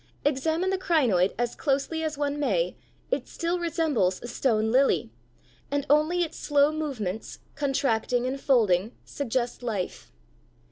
Examine the crinoid as closely as one may, it still resembles a stone lily, and only its slow movements, contracting and folding, suggest life.